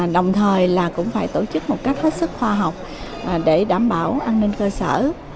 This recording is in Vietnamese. đồng thời là cũng phải tổ chức một cách hết sức khoa học để đảm bảo an ninh cơ sở